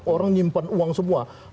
orang nyimpen uang semua